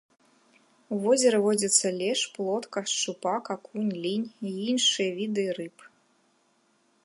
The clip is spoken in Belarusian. У возеры водзяцца лешч, плотка, шчупак, акунь, лінь і іншыя віды рыб.